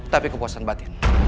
tapi kepuasan batin